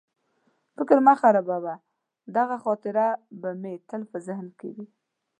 فکر مه خرابوه، دغه خاطره به مې تل په ذهن کې وي.